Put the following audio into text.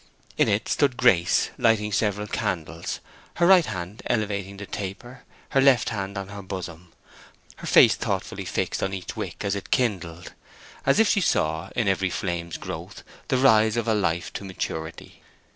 In it stood Grace lighting several candles, her right hand elevating the taper, her left hand on her bosom, her face thoughtfully fixed on each wick as it kindled, as if she saw in every flame's growth the rise of a life to maturity.